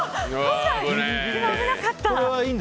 今、危なかった。